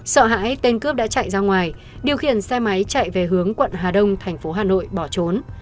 sợ hãi tên cướp đã chạy ra ngoài điều khiển xe máy chạy về hướng quận hà đông thành phố hà nội bỏ trốn